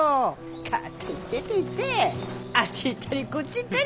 勝手に出ていってあっち行ったりこっち行ったり。